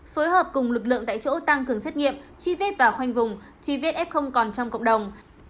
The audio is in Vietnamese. phối hợp cùng lực lượng tại chỗ tăng cường xét nghiệm truy vết và khoanh vùng truy vết f còn trong cộng đồng